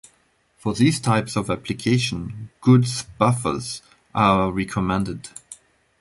For these types of applications, Good's buffers are recommended.